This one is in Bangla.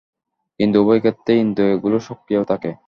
কিন্তু উভয় ক্ষেত্রেই ইন্দ্রিয়গুলি সক্রিয় থাকে।